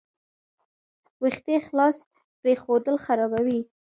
ویښتې خلاص پریښودل خرابوي.